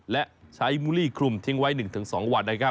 แล้วใช้มุลีคลุมที่ไว้๑ถึง๒วัน